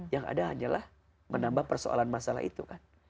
yang ada hanyalah menambah persoalan masalah itu kan